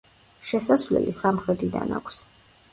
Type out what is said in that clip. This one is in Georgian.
შესასვლელი სამხრეთიდან აქვს.